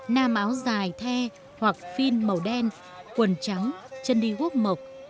nam áo dài the hoặc phin màu đen quần trắng chân đi hút mộc